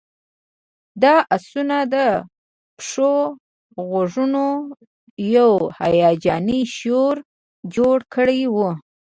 د آسونو د پښو غږونو یو هیجاني شور جوړ کړی و